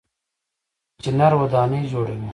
انجنیر ودانۍ جوړوي.